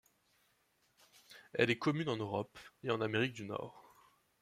Elle est commune en Europe et en Amérique du Nord.